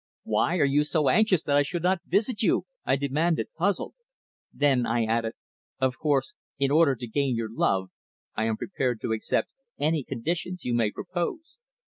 "Why are you so anxious that I should not visit you?" I demanded, puzzled. Then I added: "Of course in order to gain your love I am prepared to accept any conditions you may propose.